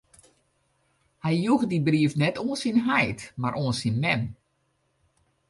Hy joech dy brief net oan syn heit, mar oan syn mem.